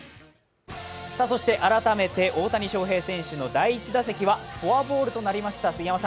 改めて大谷翔平選手の第１打席はフォアボールとなりました。